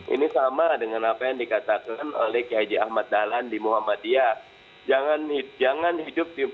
ini sama dengan apa yang dikatakan oleh kiai haji ahmad dahlan di muhammadiyah